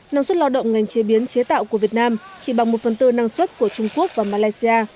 năng suất lao động ngành chế biến chế tạo của việt nam chỉ bằng một phần tư năng suất của trung quốc và malaysia